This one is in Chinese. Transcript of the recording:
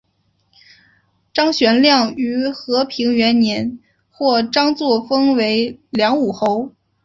张玄靓于和平元年获张祚封为凉武侯。